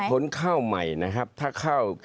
เหตุผลข้าวใหม่นะครับถ้าข้าว